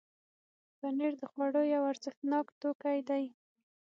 پنېر د خوړو یو ارزښتناک توکی دی.